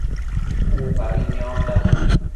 Upabi niondash